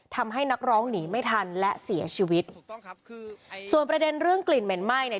ทำให้นักร้องหนีไม่ทันและเสียชีวิตถูกต้องครับคือส่วนประเด็นเรื่องกลิ่นเหม็นไหม้เนี่ย